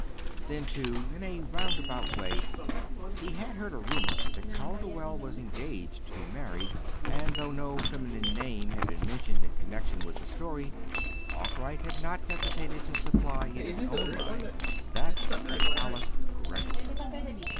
Then, too, in a round about way he had heard a rumor that Calderwell was engaged to be married; and, though no feminine name had been mentioned in connection with the story, Arkwright had not hesitated to supply in his own mind that of Alice Greggory.